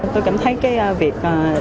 tôi cảm thấy cái việc